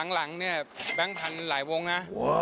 หลังเนี่ยแบงค์พันธุ์หลายวงนะ